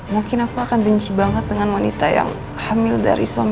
mungkin aku akan benci banget dengan wanita yang hamil dari suami